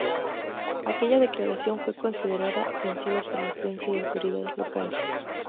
Aquella declaración fue considerada ofensiva por la prensa y autoridades locales.